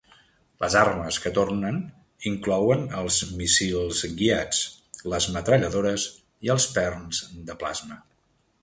Les armes que tornen inclouen els míssils guiats, les metralladores i els perns de plasma.